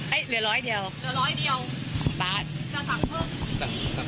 เหลือร้อยเดียวเหลือร้อยเดียวบาทจะสั่งเพิ่ม